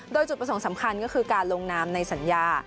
โดยจุดประสงค์สำคัญก็คือการลงนามในสัญญา